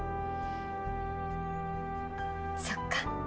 そっか。